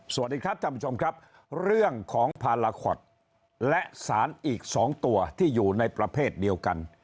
สวัสดีครับท่านผู้ชมครับเรื่องของพาราคอตและสารอีก๒ตัวที่อยู่ในประเภทเดียวกัน